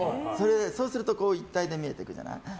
そうすると一体で見えてくるじゃない。